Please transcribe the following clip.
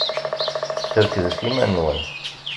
Serkdet iman-nwen!